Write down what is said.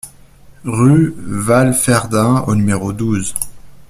Rue Walferdin au numéro douze